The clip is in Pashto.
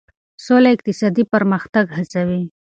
سوله اقتصادي پرمختګ هڅوي.